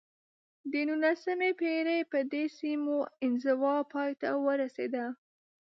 د نولسمې پېړۍ په دې سیمو انزوا پای ته ورسېده.